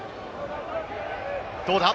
どうだ？